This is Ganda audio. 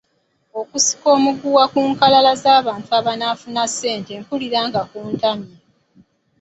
Okusika omuguwa ku nkalala z’abantu abanaafuna ssente mpulira nga kuntamye.